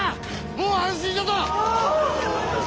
もう安心じゃぞ！